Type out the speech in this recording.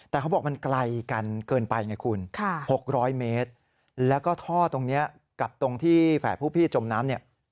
แต่เขาบอกมันไกลกันเกินไปไงคุณ๖๐๐เมตรแล้วก็ท่อตรงนี้กับตรงที่แฝดผู้พี่จมน้ำเนี่ย